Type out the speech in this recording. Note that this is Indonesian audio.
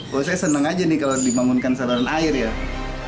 kalau saya senang aja nih kalau dibangunkan saluran air ya